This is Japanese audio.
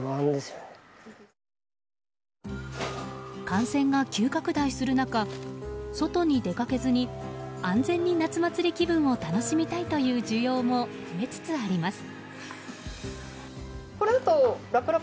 感染が急拡大する中外に出かけずに安全に夏祭り気分を楽しみたいという需要も増えつつあります。